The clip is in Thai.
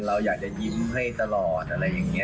เราอยากจะยิ้มให้ตลอดอะไรอย่างนี้